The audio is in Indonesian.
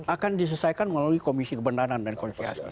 akan disesuaikan melalui komisi kebenaran dan konsiasi